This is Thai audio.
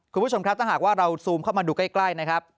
คุณผู้ชมครับถ้าหากว่าเราซูมเข้ามาดูใกล้นะครับ